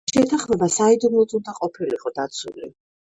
შეთანხმება საიდუმლოდ უნდა ყოფილიყო დაცული.